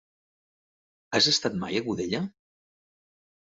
Has estat mai a Godella?